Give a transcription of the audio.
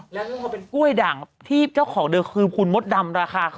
แล้วก็พอเป็นกล้วยด่างที่เจ้าของเดิมคือคุณมดดำราคาค่ะ